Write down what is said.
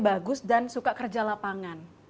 bagus dan suka kerja lapangan